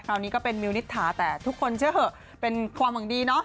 นี้ก็เป็นมิวนิษฐาแต่ทุกคนเชื่อเหอะเป็นความหวังดีเนาะ